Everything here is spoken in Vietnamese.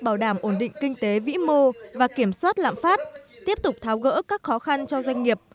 bảo đảm ổn định kinh tế vĩ mô và kiểm soát lạm phát tiếp tục tháo gỡ các khó khăn cho doanh nghiệp